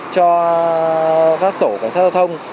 cho các tổ cảnh sát giao thông